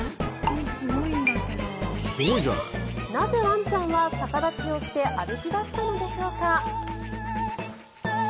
なぜワンちゃんは逆立ちをして歩き出したのでしょうか。